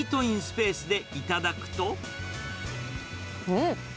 うん！